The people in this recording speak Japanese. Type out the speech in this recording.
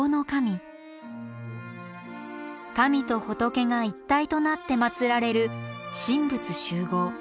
神と仏が一体となって祀られる神仏習合。